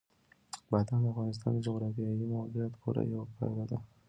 بادام د افغانستان د جغرافیایي موقیعت پوره یوه پایله ده.